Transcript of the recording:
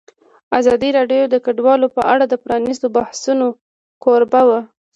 ازادي راډیو د کډوال په اړه د پرانیستو بحثونو کوربه وه.